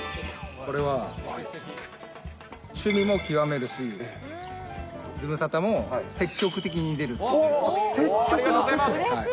これは、趣味も極めるし、ズムサタも積極的に出るっていう。